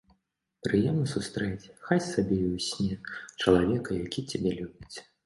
Прыемна сустрэць, хай сабе і ў сне, чалавека, які цябе любіць.